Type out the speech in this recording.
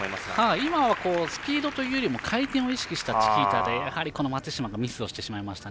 今はスピードというより回転を意識したチキータでやはり松島がミスをしてしまいましたね。